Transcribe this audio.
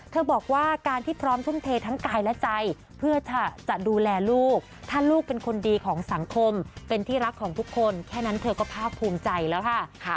บอกว่าการที่พร้อมทุ่มเททั้งกายและใจเพื่อจะดูแลลูกถ้าลูกเป็นคนดีของสังคมเป็นที่รักของทุกคนแค่นั้นเธอก็ภาคภูมิใจแล้วค่ะ